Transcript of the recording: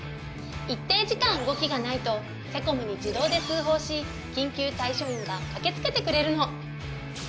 一定時間動きがないとセコムに自動で通報し緊急対処員が駆けつけてくれるの。